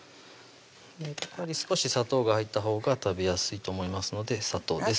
やっぱり少し砂糖が入ったほうが食べやすいと思いますので砂糖です